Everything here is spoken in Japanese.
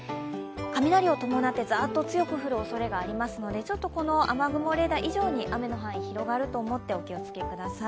雷を伴ってザーッと強く降るおそれがありますので、雨雲レーダー以上に雨の範囲広がると思ってお気をつけください。